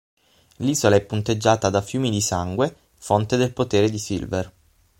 L'isola è punteggiata da fiumi di sangue, fonte del potere di Silver.